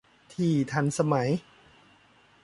ที่ทันสมัย